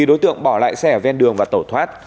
đối tượng bỏ lại xe ở ven đường và tẩu thoát